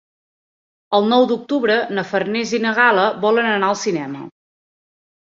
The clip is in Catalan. El nou d'octubre na Farners i na Gal·la volen anar al cinema.